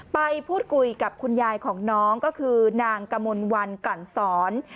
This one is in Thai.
ไปพูดคุยกับคุณยายของน้องก็คือนางกมลวันกลั่นสอน